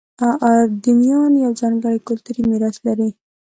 اردنیان یو ځانګړی کلتوري میراث لري.